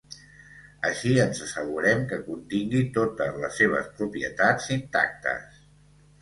Així ens assegurem que contingui totes les seves propietats intactes.